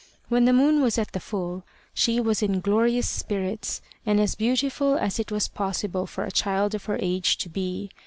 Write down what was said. When the moon was at the full, she was in glorious spirits, and as beautiful as it was possible for a child of her age to be.